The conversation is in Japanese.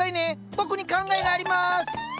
僕に考えがあります！